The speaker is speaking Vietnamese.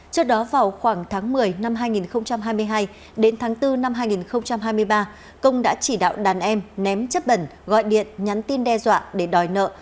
trước đó vào khoảng tháng một mươi năm hai nghìn hai mươi hai đến tháng bốn năm hai nghìn hai mươi ba công đã chỉ đạo đàn em ném chất bẩn gọi điện nhắn tin đe dọa để đòi nợ